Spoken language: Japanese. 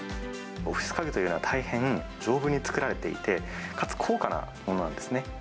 オフィス家具というのは大変丈夫に作られていて、かつ高価なものなんですね。